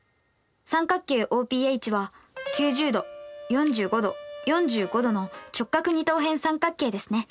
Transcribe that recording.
三角形ＯＰＨは９０°４５°４５°の直角二等辺三角形ですね。